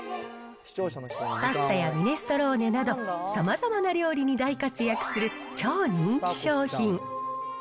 パスタやミネストローネなど、さまざまな料理に大活躍する超人気商品。